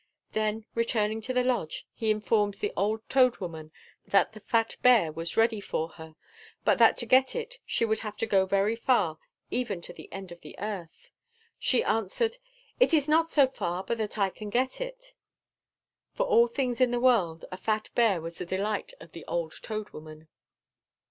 Then returning to the lodge, he informed the old Toad Woman that the fat hear was ready for her, but that to get it she would have to go very far, even to the end of the earth. She answered: "It is not so far but that I can get it!" For of all things in the world, a fat bear was the delight of the old Toad Woman.